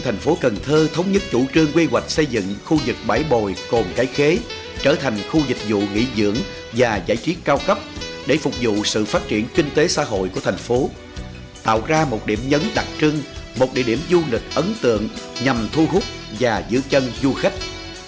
thành phố cần thơ thống nhất chủ trương quy hoạch xây dựng khu vực bãi bồi cồn cái khế trở thành khu dịch vụ nghỉ dưỡng và giải trí cao cấp để phục vụ sự phát triển kinh tế xã hội của thành phố tạo ra một điểm nhấn đặc trưng một địa điểm du lịch ấn tượng nhằm thu hút và giữ chân du khách